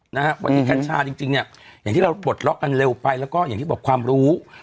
นะฮะวันนี้กัญชาจริงจริงเนี่ยอย่างที่เราปลดล็อกกันเร็วไปแล้วก็อย่างที่บอกความรู้